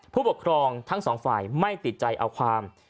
ผู้ปกครองทั้งสองฝ่ายไม่ติดใจเอาความ